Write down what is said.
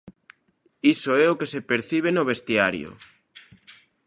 Iso é o que se percibe no vestiario.